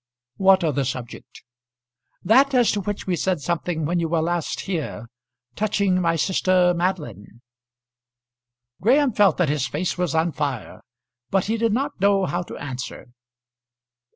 "What other subject?" "That as to which we said something when you were last here, touching my sister Madeline." Graham felt that his face was on fire, but he did not know how to answer.